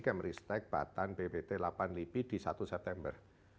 kemristek batan bbt lapan libi di satu september